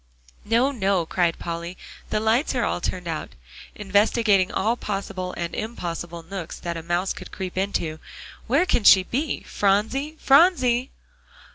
"No, no," cried Polly, "the lights are all turned out," investigating all possible and impossible nooks that a mouse could creep into. "Where can she be? Phronsie Phronsie!"